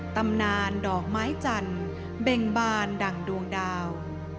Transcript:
ตำนานดอกไม้จันทร์เบ่งบานดั่งดวงดาว